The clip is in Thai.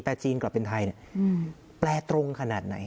แต่จีนกลับเป็นไทยแปลตรงขนาดไหน